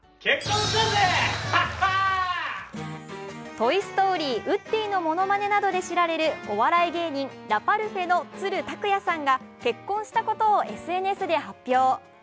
「トイ・ストーリー」、ウッディのものまねなどで知られるお笑い芸人・ラパルフェの都留拓也さんが結婚したことをＳＮＳで発表。